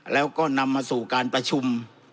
แล้วก็นำมาสู่การประชุม